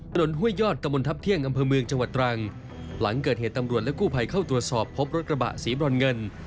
ห้วยยอดตะมนทัพเที่ยงอำเภอเมืองจังหวัดตรังหลังเกิดเหตุตำรวจและกู้ภัยเข้าตรวจสอบพบรถกระบะสีบรอนเงิน